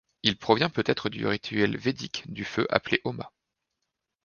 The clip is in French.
Il provient peut-être du rituel védique du feu appelé homa.